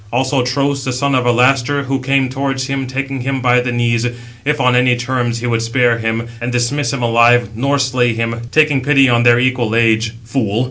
Also Tros, the son of Alastor, who came towards him, taking him by the knees, if on any terms he would spare him, and dismiss him alive, nor slay him, taking pity on their equal age: fool!